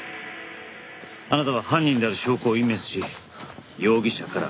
あなたは犯人である証拠を隠滅し容疑者から外れた。